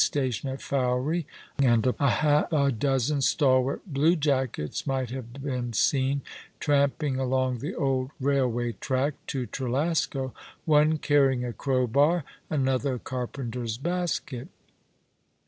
^ 165 station at Fowey, and half a dozen stalwart blue jackets might have been seen tramping along the old railway track to Trelasco, one carrying a crowbar, another a carpenter's basket.